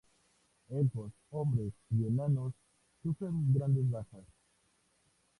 Elfos, hombres y enanos sufren graves bajas.